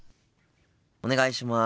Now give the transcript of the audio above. お願いします。